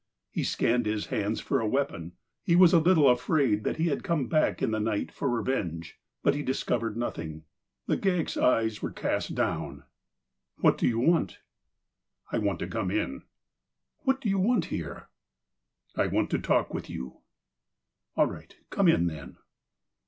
He scanned his hands for a weapon. He was a little afraid that he had come back in the night for revenge. But he discovered nothing. Legale' s eyes were cast down. " What do you want ?"*' I want to come in." ,^' What do you want here?" '' I want to talk with you." ''All right. Come in then."